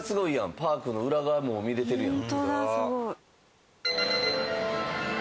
パークの裏側も見れてるやん。